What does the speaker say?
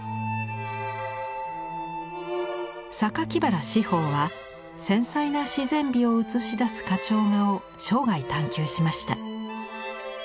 原紫峰は繊細な自然美を写し出す花鳥画を生涯探求しました。